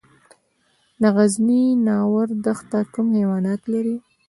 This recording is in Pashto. د غزني ناور دښته کوم حیوانات لري؟